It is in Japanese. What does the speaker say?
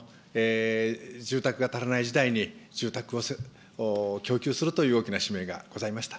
住宅が足らない時代に、住宅を供給するという大きな使命がございました。